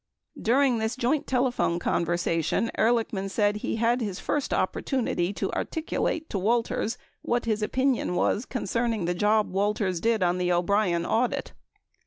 28a During this joint telephone conversation Ehr lichman said he had his first opportunity to articulate to Walters what his opinion was concerning the job Walters did on the O'Brien audit.